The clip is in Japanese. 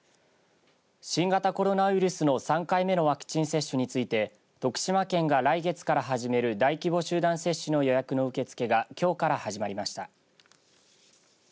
新型コロナウイルスの３回目のワクチン接種について徳島県が来月から始める大規模集団接種の予約の受け付けがきょうから始まりました。